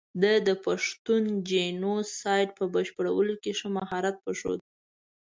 ده د پښتون جینو سایډ په بشپړولو کې ښه مهارت وښود.